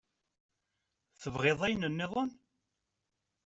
Tebɣiḍ ayen-nniḍen?